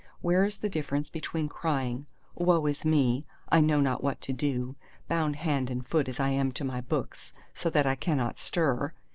Where is the difference between crying, _Woe is me, I know not what to do, bound hand and foot as I am to my books so that I cannot stir!